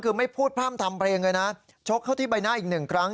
คือไม่พูดพร่ำทำเพลงเลยนะชกเข้าที่ใบหน้าอีกหนึ่งครั้ง